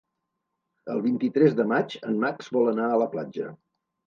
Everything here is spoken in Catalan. El vint-i-tres de maig en Max vol anar a la platja.